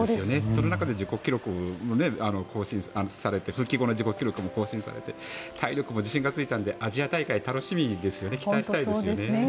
その中で自己記録を更新されて復帰後の自己記録も更新されて体力も自信がついてアジア大会楽しみですね期待したいですよね。